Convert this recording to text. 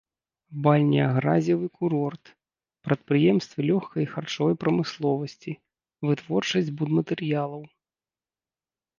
Бальнеагразевы курорт, прадпрыемствы лёгкай і харчовай прамысловасці, вытворчасць будматэрыялаў.